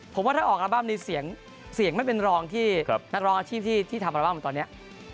ผมว่าถ้าออกอัลบั้มนี้เสียงไม่เป็นรองที่นักร้องอาชีพที่ทำอัลบั้มตอนนี้